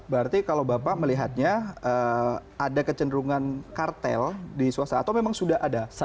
berarti kalau bapak melihatnya ada kecenderungan kartel di swasta atau memang sudah ada